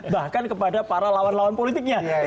bahkan kepada para lawan lawan politiknya